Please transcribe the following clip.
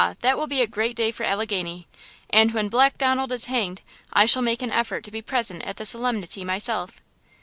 that will be a great day for Alleghany. And when Black Donald is hanged, I shall make an effort to be present at the solemnity myself!'